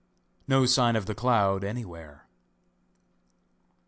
No sign of the cloud anywhere.